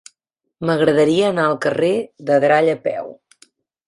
M'agradaria anar al carrer d'Adrall a peu.